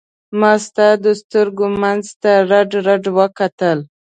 ما ستا د سترګو منځ ته رډ رډ وکتل.